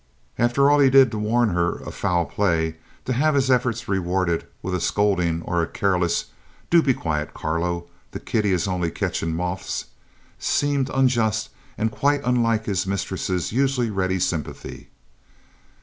After all he did to warn her of foul play, to have his efforts rewarded with a scolding or a careless "Do be quiet, Carlo. The kitty is only catching moths," seemed unjust and quite unlike his mistress's usual ready sympathy.